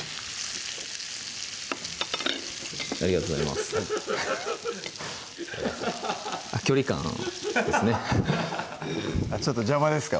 ありがとうございます距離感ですねちょっと邪魔ですか？